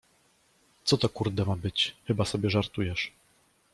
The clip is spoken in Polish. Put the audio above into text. Co to kurde ma być, chyba sobie żartujesz.